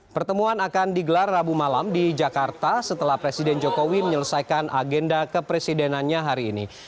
pertemuan akan digelar rabu malam di jakarta setelah presiden jokowi menyelesaikan agenda kepresidenannya hari ini